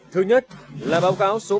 thứ nhất là báo cáo số ba mươi bốn